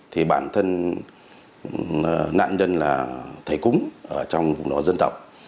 thì bản thân nạn nhân là thầy cúng trong vùng đoàn dân tộc